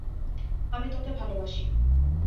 আমি তোকে ভালোবাসি।